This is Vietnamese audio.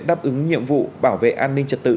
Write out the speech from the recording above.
đáp ứng nhiệm vụ bảo vệ an ninh trật tự